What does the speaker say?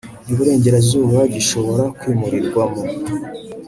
y iburengerazuba gishobora kwimurirwa mu